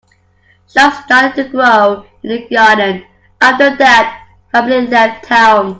Shrubs started to grow in the garden after that family left town.